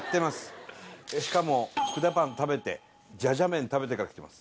しかも福田パン食べてじゃじゃ麺食べてから来てます